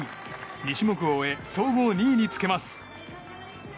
２種目を終え総合２位につけます。